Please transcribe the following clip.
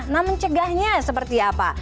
nah mencegahnya seperti apa